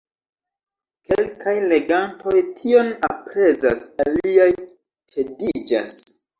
Kelkaj legantoj tion aprezas, aliaj tediĝas.